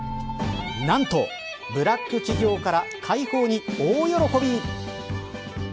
何と、ブラック企業から解放に大喜び。